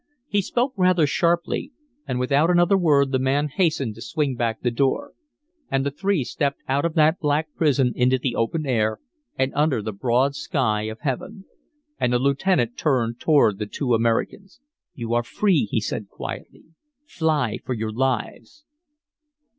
He spoke rather sharply; and without another word the man hastened to swing back the door. And the three stepped out of that black prison into the open air and under the broad sky of heaven. And the lieutenant turned toward the two Americans. "You are free," he said, quietly. "Fly for your lives!"